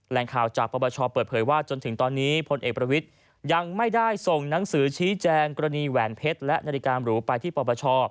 ข่าวจากปปชเปิดเผยว่าจนถึงตอนนี้พลเอกประวิทย์ยังไม่ได้ส่งหนังสือชี้แจงกรณีแหวนเพชรและนาฬิกาหรูไปที่ปปช